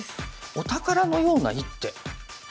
「お宝のような一手」？